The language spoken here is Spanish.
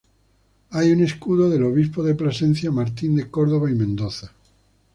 Hay un escudo del obispo de Plasencia Martín de Córdoba y Mendoza.